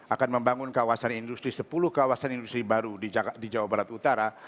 akan membangun kawasan industri sepuluh kawasan industri baru di jawa barat utara